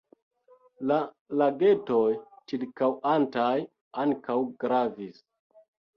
La lagetoj ĉirkaŭantaj ankaŭ gravis.